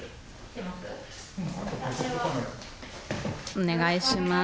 お願いします。